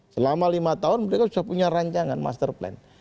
selama lima tahun mereka sudah punya rancangan master plan